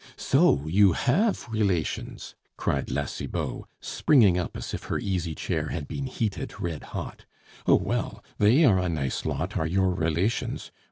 "So you have relations!..." cried La Cibot, springing up as if her easy chair had been heated red hot. "Oh, well, they are a nice lot, are your relations!